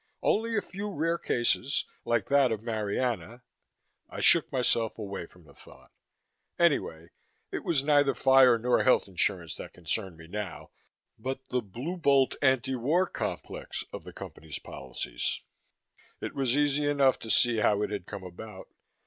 Only a few rare cases, like that of Marianna.... I shook myself away from the thought. Anyway, it was neither fire nor health insurance that concerned me now, but the Blue Bolt anti war complex of the Company's policies. It was easy enough to see how it had come about.